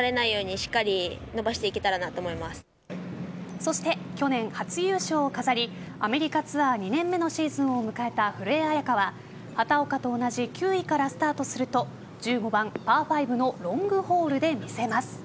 そして去年、初優勝を飾りアメリカツアー２年目のシーズンを迎えた古江彩佳は畑岡と同じ９位からスタートすると１５番パー５のロングホールで見せます。